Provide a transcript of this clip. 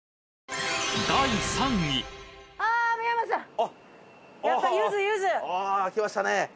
あきましたね。